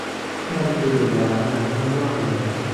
เที่ยงคืนแล้ว ยังไม่ง่วงเลย